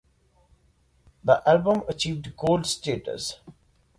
The album achieved gold status.